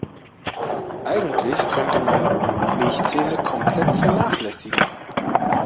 Eigentlich könnte man Milchzähne komplett vernachlässigen.